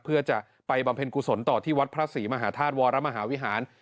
เพื่อจะไปบำเพ็งกุศลต่อที่วัดพระศรีหมาธาตวธรรม์และมหาวิหน